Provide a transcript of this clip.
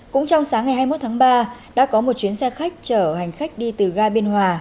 cũng trong sáng ngày hai mươi một tháng ba đã có một chuyến xe khách chở hành khách đi từ ga biên hòa